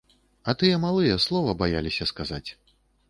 А тыя малыя слова баяліся сказаць.